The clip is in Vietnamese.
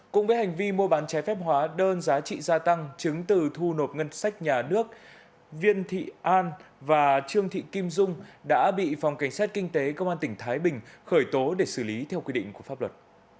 cũng với hành vi mua bán trái phép hóa đơn giá trị gia tăng chứng từ thu nộp ngân sách nhà nước viên thị an và trương thị kim dung đã bị phòng cảnh sát kinh tế công an tỉnh thái bình khởi tố để xử lý theo quy định của pháp luật